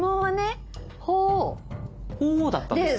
鳳凰だったんですね。